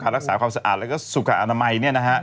รักษาความสะอาดและสุขอนามัย